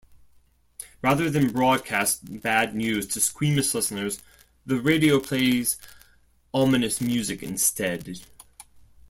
Rather than broadcast bad news to squeamish listeners, the radio plays ominous music instead.